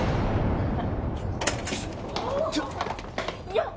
よっ！